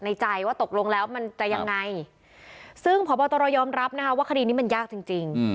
ในใจว่าตกลงแล้วมันจะยังไงซึ่งพบตรยอมรับนะคะว่าคดีนี้มันยากจริง